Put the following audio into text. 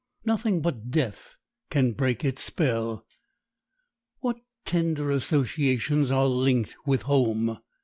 Nothing but death can break its spell. What tender associations are linked with home!